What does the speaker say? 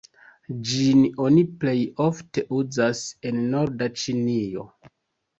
Ĝin oni plej ofte uzas en norda Ĉinio.